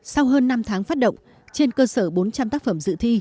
sau hơn năm tháng phát động trên cơ sở bốn trăm linh tác phẩm dự thi